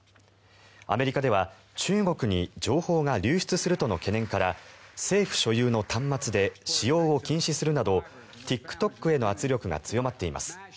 アメリカでは、中国に情報が流出するとの懸念から政府所有の端末で使用を禁止するなどＴｉｋＴｏｋへの圧力が強まっています。